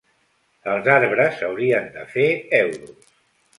Els arbres haurien de fer euros.